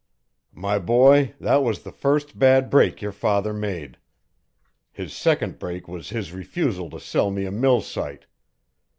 "My boy, that was the first bad break your father made. His second break was his refusal to sell me a mill site.